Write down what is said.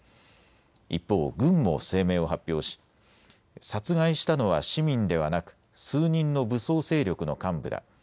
一方、軍も声明を発表し殺害したのは市民ではなく数人の武装勢力の幹部だ。